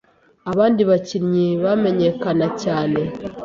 abandi bakinnyi bamenyekana cyane